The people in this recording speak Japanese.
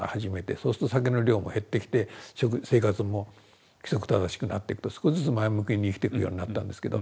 そうすると酒の量も減ってきて生活も規則正しくなっていくと少しずつ前向きに生きていくようになったんですけど。